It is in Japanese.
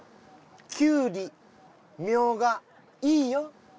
「キュウりみょうがいいよ！！